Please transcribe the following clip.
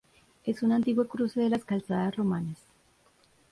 Es un antiguo cruce de las calzadas romanas.